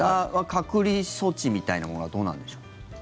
隔離措置みたいなものはどうなんでしょう？